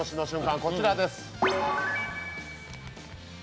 こちらです。